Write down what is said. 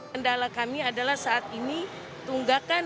kendala kami adalah saat ini tunggakan